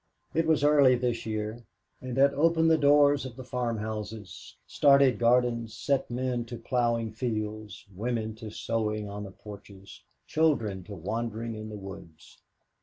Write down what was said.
It was early this year, and had opened the doors of the farmhouses started gardens, set men to plowing fields, women to sewing on the porches, children to wandering in the woods.